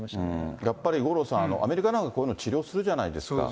やっぱり五郎さん、アメリカなんか、こういうの治療するじゃないですか。